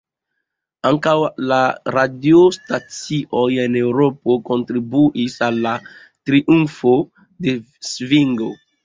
Ankaŭ la radiostacioj en Eŭropo kontribuis al la triumfo de svingo.